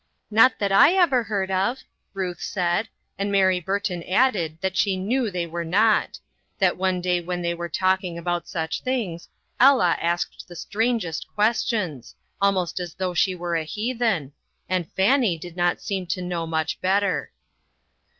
"Not that I ever heard of," Ruth said, and Mary Burton added that she knew they were not; that one day when they were talking about such things, Ella asked the strangest questions, almost as though she were a heathen ; and Fannie did not seem to know much better.